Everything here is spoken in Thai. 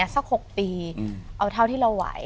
สัก๖ปีเอาเท่าที่เราไหว